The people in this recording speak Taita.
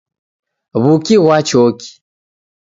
Wuki ghwa choki.